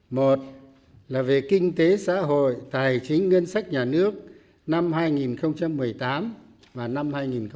một là về kinh tế xã hội tài chính ngân sách nhà nước năm hai nghìn một mươi tám và năm hai nghìn một mươi chín